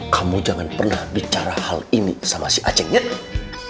kamu jangan pernah bicara hal ini sama si aceh ngerti